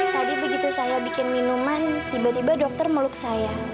tadi begitu saya bikin minuman tiba tiba dokter meluk saya